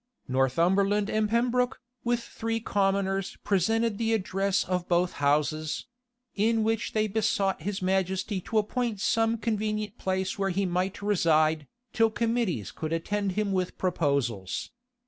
Northumberland and Pembroke, with three commoners, presented the address of both houses; in which they besought his majesty to appoint some convenient place where he might reside, till committees could attend him with proposals.